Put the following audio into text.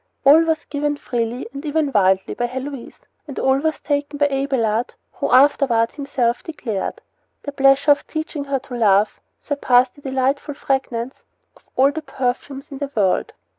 All was given freely, and even wildly, by Heloise; and all was taken by Abelard, who afterward himself declared: "The pleasure of teaching her to love surpassed the delightful fragrance of all the perfumes in the world."